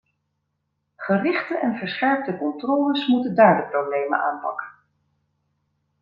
Gerichte en verscherpte controles moeten daar de problemen aanpakken.